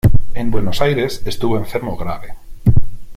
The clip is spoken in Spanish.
En Buenos Aires estuvo enfermo grave.